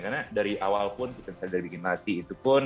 karena dari awal pun kita bisa bikin latih itu pun